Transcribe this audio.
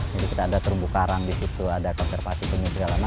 jadi kita ada terumbu karang di situ ada konservasi penyusun segala macam